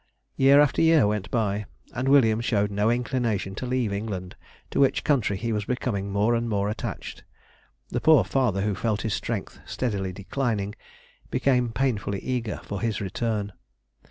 Year after year went by, and William showed no inclination to leave England, to which country he was becoming more and more attached; the poor father, who felt his strength steadily declining, became painfully eager for his return.